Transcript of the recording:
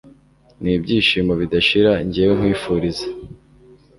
n'ibyishimo bidashira njyewe nkwifuriza